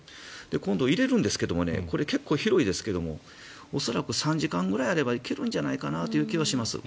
今度、入れるんですけどもこれ、結構広いですけど恐らく３時間ぐらいあればいけるんじゃないかなという気がします。